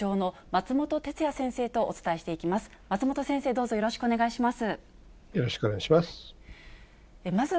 松本先生、どうぞよろしくお願いします。